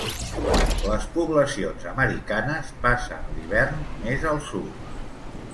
Les poblacions americanes passen l'hivern més al sud.